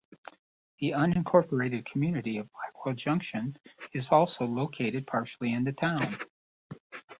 The unincorporated community of Blackwell Junction is also located partially in the town.